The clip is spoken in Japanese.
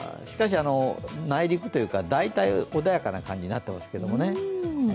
しかし内陸というか大体穏やかな感じになってますけどね。